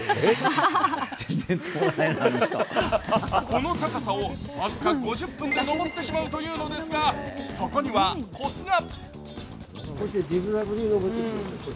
この高さを僅か５０分で上ってしまうというのですが、そこには、こつが。